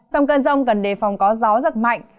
trong cơn rông cần đề phòng có gió giật mạnh